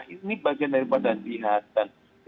ini bagian dari pandang pihat